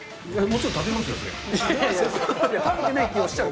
もちろん食べますよ、そりゃ。